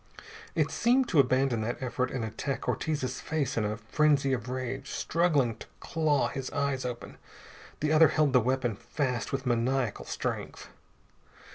It seemed to abandon that effort and attacked Ortiz's face in a frenzy of rage, struggling to claw his eyes open. The other held the weapon fast with maniacal strength.